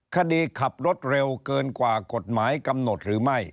คดีขับรถเร็วเกินกว่ากฎหมายกำหนดหรือไม่